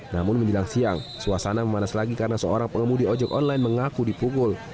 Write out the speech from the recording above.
namun menjelang siang suasana memanas lagi karena seorang pengemudi ojek online mengaku dipukul